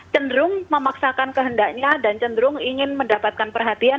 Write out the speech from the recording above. cenderung memaksakan kehendaknya dan cenderung ingin mendapatkan perhatian